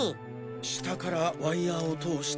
下からワイヤーを通して。